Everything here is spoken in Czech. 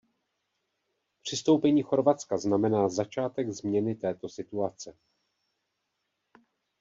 Přistoupení Chorvatska znamená začátek změny této situace.